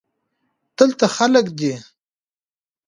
دلته خلگ دی.